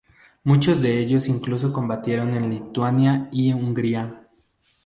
Muchos de ellos incluso combatieron en Lituania y Hungría.